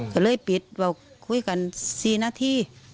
ก็เลยปิดบอกคุยกัน๔นาที